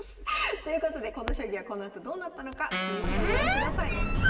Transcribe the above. ということでこの将棋はこのあとどうなったのか続きをご覧ください。